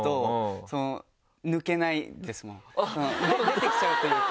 出てきちゃうというか。